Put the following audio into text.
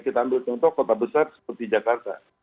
kita ambil contoh kota besar seperti jakarta